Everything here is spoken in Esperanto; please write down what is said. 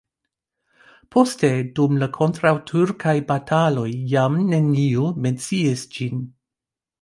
Poste dum la kontraŭturkaj bataloj jam neniu menciis ĝin.